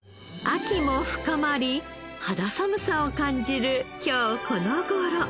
秋も深まり肌寒さを感じる今日この頃。